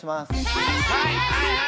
はいはいはい！